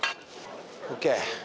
ＯＫ